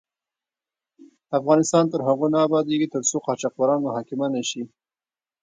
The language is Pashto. افغانستان تر هغو نه ابادیږي، ترڅو قاچاقبران محاکمه نشي.